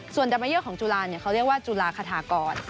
ส่วนดรรมเยี่ยมของจุฬาเนี่ยเขาเรียกว่าจุฬาคาถากร